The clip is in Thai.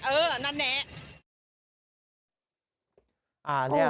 เออนั่นแนะ